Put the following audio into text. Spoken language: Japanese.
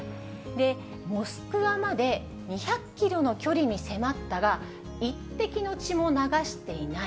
モスクワまで２００キロの距離に迫ったが、一滴の血も流していない。